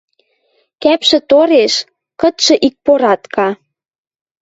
Кӓпшӹ тореш, кытшы икпоратка